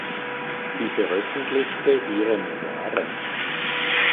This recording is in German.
Sie veröffentlichte ihre Memoiren.